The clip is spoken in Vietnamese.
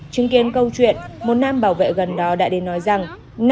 chứng kiến câu chuyện một nam bảo vệ gần đó đã đến nói rằng